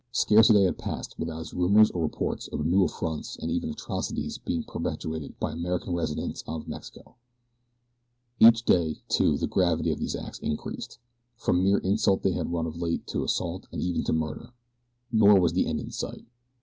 Scarce a day passed without its rumors or reports of new affronts and even atrocities being perpetrated upon American residents of Mexico. Each day, too, the gravity of these acts increased. From mere insult they had run of late to assault and even to murder. Nor was the end in sight.